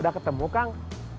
udah ketemu kang